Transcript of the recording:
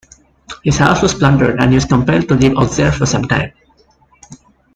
His house was plundered, and he was compelled to leave Auxerre for some time.